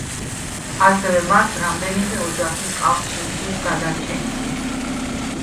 ასევე, მას რამდენიმე ოჯახი ჰყავს შიმშილს გადარჩენილი.